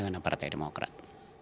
ini yang ada partai demokrat